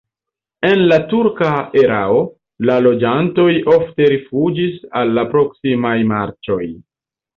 En la turka erao la loĝantoj ofte rifuĝis al la proksimaj marĉoj.